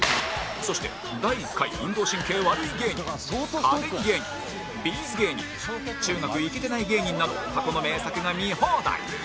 そして第１回運動神経悪い芸人家電芸人 Ｂ’ｚ 芸人中学イケてない芸人など過去の名作が見放題